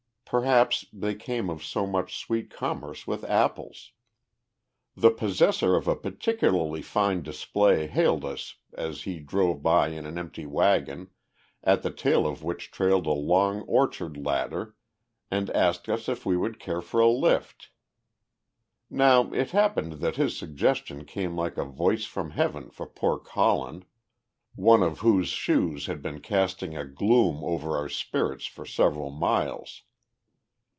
Perhaps they came of so much sweet commerce with apples! The possessor of a particularly fine display hailed us as he drove by in an empty wagon, at the tail of which trailed a long orchard ladder, and asked us if we would care for a lift. Now it happened that his suggestion came like a voice from heaven for poor Colin, one of whose shoes had been casting a gloom over our spirits for several miles.